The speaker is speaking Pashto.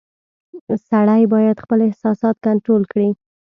• سړی باید خپل احساسات کنټرول کړي.